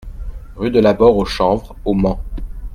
Rue de l'Abord au Chanvre au Mans